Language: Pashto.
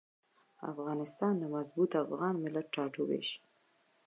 افغانستان د مضبوط افغان ملت ټاټوبی شي.